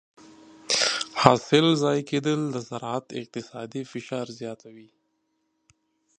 د حاصل ضایع کېدل د زراعت اقتصادي فشار زیاتوي.